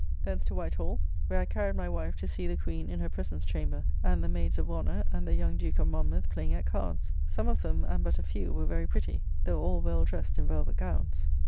Thence to White Hall, where I carried my wife to see the Queen in her presence chamber; and the maydes of honour and the young Duke of Monmouth playing at cards. Some of them, and but a few, were very pretty; though all well dressed in velvet gowns.